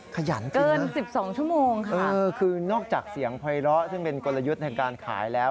ขยันจริงนะค่ะเออคือนอกจากเสียงเวลาซึ่งเป็นกลยุทธ์ในการขายแล้ว